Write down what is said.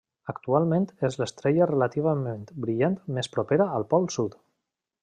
Actualment és l'estrella relativament brillant més propera al pol sud.